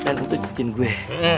dan untuk jincin gue